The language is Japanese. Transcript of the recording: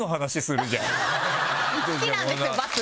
好きなんですよバス。